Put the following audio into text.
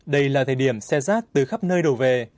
đây là thời điểm xe rác từ khắp nơi đổ về